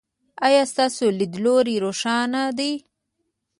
ایا ستاسو لید لوری روښانه دی؟